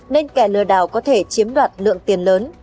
nên kẻ lừa đảo có thể chiếm đoạt lượng tiền lớn